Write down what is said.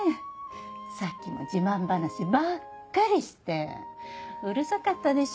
さっきも自慢話ばっかりしてうるさかったでしょう？